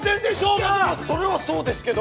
いやそれはそうですけど。